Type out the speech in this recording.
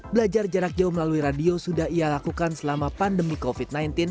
belajar jarak jauh melalui radio sudah ia lakukan selama pandemi covid sembilan belas